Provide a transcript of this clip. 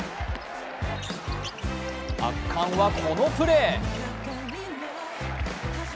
圧巻はこのプレー。